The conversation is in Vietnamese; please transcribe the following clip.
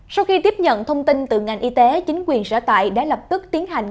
sau khi tiếp nhận thông tin từ ngành y tế chính quyền sở tại đã lập tức tiến hành